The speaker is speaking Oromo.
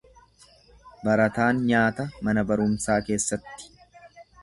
Barataan nyaata mana barumsaa keessatti.